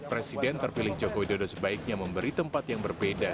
presiden terpilih jokowi dodo sebaiknya memberi tempat yang berbeda